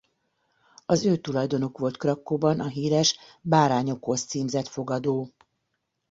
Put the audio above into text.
Az ő tulajdonuk volt Krakkóban a híres Bárányokhoz címzett fogadó.